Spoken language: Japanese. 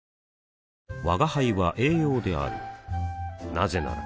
なぜなら